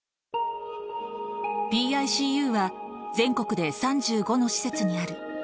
ＰＩＣＵは全国で３５の施設にある。